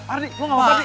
ardi lu nggak apa apa